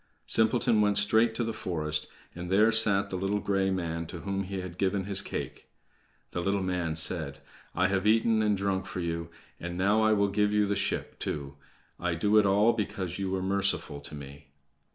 Simpleton went straight to the forest, and there sat the little gray man to whom he had given his cake. The little man said: "I have eaten and drunk for you, and now I will give you the ship, too. I do it all because you were merciful to me."